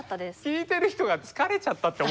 聞いてる人が疲れちゃったって。